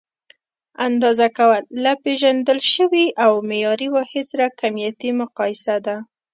اندازه کول: له پېژندل شوي او معیاري واحد سره کمیتي مقایسه ده.